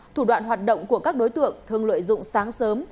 thủ đoạn hoạt động của các đối tượng thường lợi dụng sáng sớm